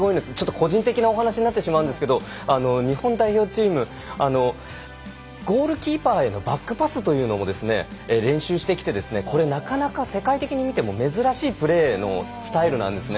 個人的なお話しになってしまうんですけれども日本代表チームゴールキーパーへのバックパスというのも練習してきてこれなかなか世界的に見ても珍しいプレーのスタイルなんですね。